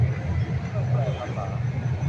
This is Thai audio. เครื่องแปลภาษา